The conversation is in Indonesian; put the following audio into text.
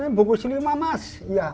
ini bungkus lima mas